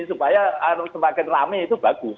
supaya semakin rame itu bagus